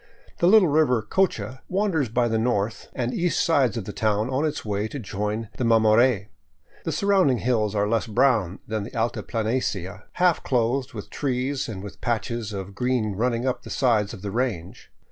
The little river Cocha wanders by the north and east sides of the town on its way to join the Mamore; the surrounding hills are less brown than the altiplanicie, half clothed with trees and with patches of green running up the sides of the range.